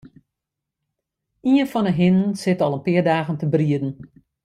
Ien fan 'e hinnen sit al in pear dagen te brieden.